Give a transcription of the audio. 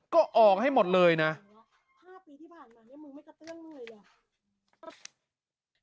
ก็ออกให้หมดเลยนะ๕ปีที่ผ่านมาเนี่ยมึงไม่กระเตื้องมือเลยเหรอ